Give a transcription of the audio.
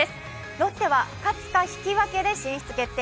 ロッテは勝つか引き分けで進出決定